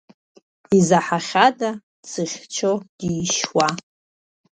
Изаҳахьада дзыхьчо дишьуа?